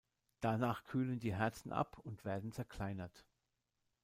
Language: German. Danach kühlen die Herzen ab und werden zerkleinert.